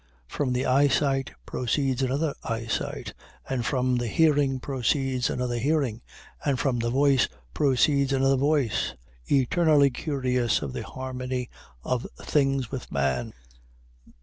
From the eyesight proceeds another eyesight, and from the hearing proceeds another hearing, and from the voice proceeds another voice, eternally curious of the harmony of things with man.